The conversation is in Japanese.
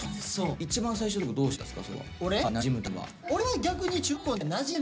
一番最初とかどうしてたんですか？